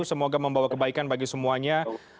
semoga membawa kebaikan bagi semuanya